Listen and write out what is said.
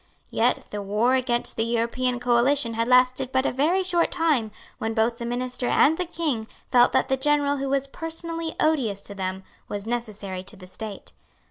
Yet the war against the European coalition had lasted but a very short time when both the minister and the King felt that the general who was personally odious to them was necessary to the state.